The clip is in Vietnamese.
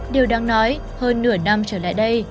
điều đáng nói hơn nửa năm trở lại đây